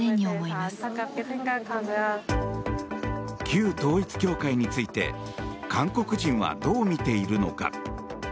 旧統一教会について韓国人はどう見ているのか。